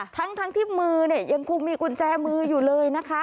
ทั้งที่มือเนี่ยยังคงมีกุญแจมืออยู่เลยนะคะ